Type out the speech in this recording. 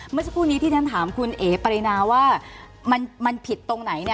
เมื่อสักครู่นี้ที่ฉันถามคุณเอ๋ปรินาว่ามันผิดตรงไหนเนี่ย